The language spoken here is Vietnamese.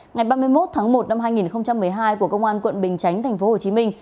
ngày ba mươi một tháng một năm hai nghìn một mươi hai của công an quận bình chánh tp hcm